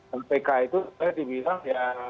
dan pk itu saya dibilang ya